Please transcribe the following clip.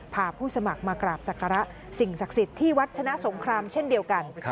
ผู้สมัครมากราบศักระสิ่งศักดิ์สิทธิ์ที่วัดชนะสงครามเช่นเดียวกัน